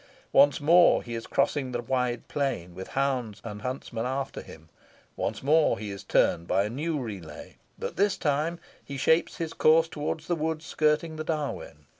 Once more he is crossing the wide plain, with hounds and huntsmen after him once more he is turned by a new relay; but this time he shapes his course towards the woods skirting the Darwen.